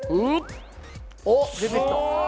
おっ出てきた。